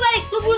pelan pelan pelan